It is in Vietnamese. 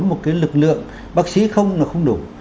một cái lực lượng bác sĩ không là không đủ